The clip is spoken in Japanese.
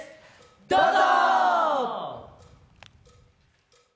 どうぞ！